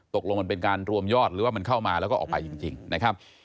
ตกลงมันเป็นการรวมยอดหรือว่ามันเข้ามาแล้วก็ออกไปจริงนะครับ